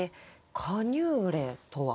カニューレとは？